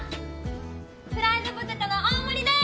フライドポテトの大盛りでーす！